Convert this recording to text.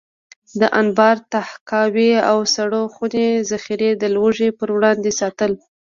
د انبار، تحکاوي او سړو خونې ذخیرې د لوږې پر وړاندې ساتل.